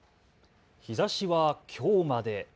日ざしはきょうまで。